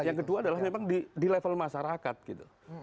yang kedua adalah memang di level masyarakat gitu